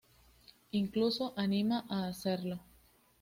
Incluso anima a hacerlo.